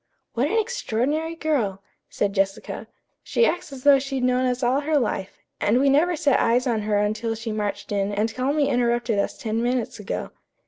"What an extraordinary girl!" said Jessica. "She acts as though she'd known us all her life, and we never set eyes on her until she marched in and calmly interrupted us ten minutes ago."